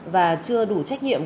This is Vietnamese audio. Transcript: và chưa đủ trách nhiệm